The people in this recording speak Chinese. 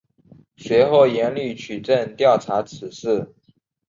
随后严厉取证调查此事。